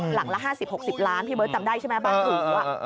หลังละ๕๐๖๐ล้านพี่เบิร์ตจำได้ใช่ไหมบ้านหนู